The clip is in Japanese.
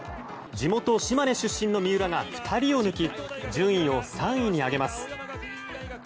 地元・島根出身の三浦が２人を抜き順位を３位に上げます。